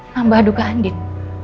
nambah duka andin